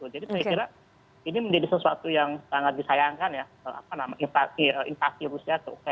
jadi saya kira ini menjadi sesuatu yang sangat disayangkan ya infasi